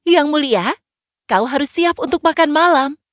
yang mulia kau harus siap untuk makan malam